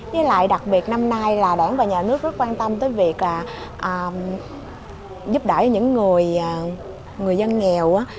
với lại đặc biệt năm nay là đảng và nhà nước rất quan tâm tới việc giúp đỡ những người dân nghèo